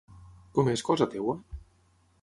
Com és cosa teva?